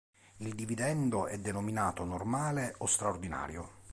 Il dividendo è denominato "normale" o "straordinario".